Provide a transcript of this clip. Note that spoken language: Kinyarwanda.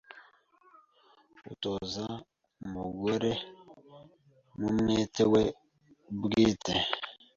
utoza umugoren’umwete we bwite